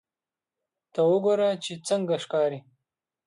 ته وګوره چې څنګه ښکاري